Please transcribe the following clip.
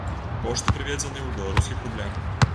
Кошты прыведзеныя ў беларускіх рублях.